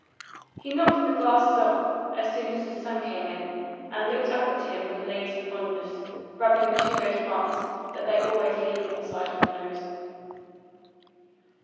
He knocked the glasses off as his son came in and looked up at him with lazy fondness, rubbing the two red marks that they always leave on the side of the nose.